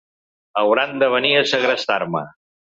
Hauran de venir a segrestar-me.